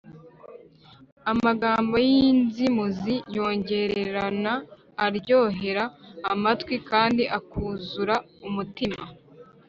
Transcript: amagambo y’inzimuzi yongorerana aryohera amatwi, kandi akuzura umutima